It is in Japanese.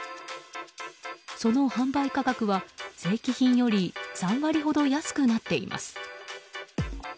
その販売価格は正規品より３割ほど安くなっています。